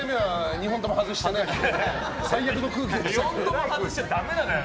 ２本とも外しちゃダメなのよ。